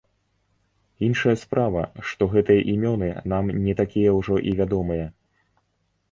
Іншая справа, што гэтыя імёны нам не такія ўжо і вядомыя.